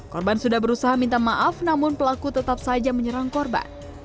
korban sudah berusaha minta maaf namun pelaku tetap saja menyerang korban